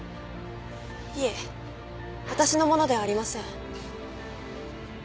いえ私のものではありません。